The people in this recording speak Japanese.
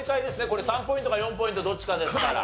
これ３ポイントか４ポイントどっちかですから。